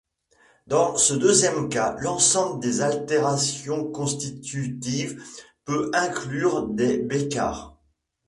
Dans ce deuxième cas, l'ensemble des altérations constitutives peut inclure des bécarres.